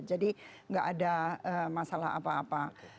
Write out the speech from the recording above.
jadi tidak ada masalah apa apa